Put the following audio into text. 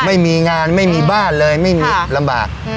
ไม่มีงานไม่มีบ้านเลยไม่มีลำบาก